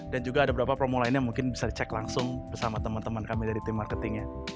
dan juga ada beberapa promo lainnya yang mungkin bisa dicek langsung bersama teman teman kami dari tim marketingnya